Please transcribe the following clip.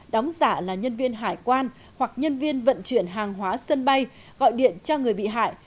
đóng giả là nhân viên hải quan hoặc nhân viên vận chuyển hàng hóa sân bay gọi điện cho người bị hại